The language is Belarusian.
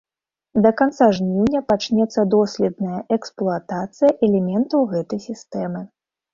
Да канца жніўня пачнецца доследная эксплуатацыя элементаў гэтай сістэмы.